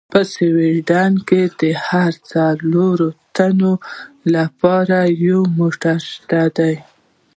په سویډن کې د هرو څلورو تنو لپاره یو موټر شته دي.